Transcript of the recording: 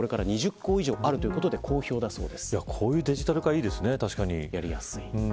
こういうデジタル化いいですね。